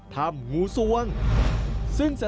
ซึ่งสถานการณ์ของจอบปลวงรูปร่างแปลก